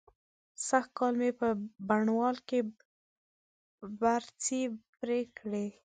سږکال مې په بڼوال کې برځې پرې کړې.